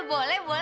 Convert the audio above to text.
eh boleh boleh